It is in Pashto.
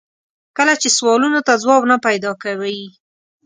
کله چې سوالونو ته ځواب نه پیدا کوي.